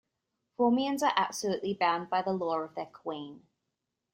Formians are absolutely bound by the law of their queen.